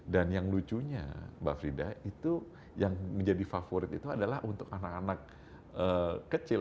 dan yang lucunya mbak frida itu yang menjadi favorit itu adalah untuk anak anak kecil